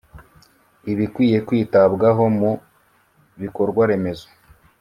Ibikwiye kwitabwaho mu bikorwaremezo